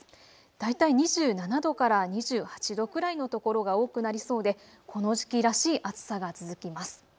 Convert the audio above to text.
大体２７度から２８度くらいの所が多くなりそうでこの時期らしい暑さが続きます。